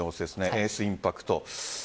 エースインパクト。